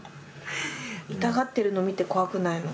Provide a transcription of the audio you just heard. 痛がってるの見て怖くないの？